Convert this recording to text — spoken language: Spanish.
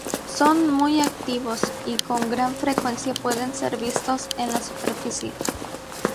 Son muy activos y con gran frecuencia pueden ser vistos en la superficie.